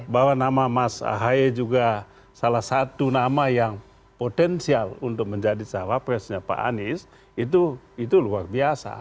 bahwa nama mas ahaye juga salah satu nama yang potensial untuk menjadi cawapresnya pak anies itu luar biasa